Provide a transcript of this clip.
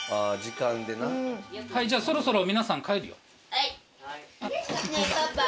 じゃあそろそろ皆さん帰るよ。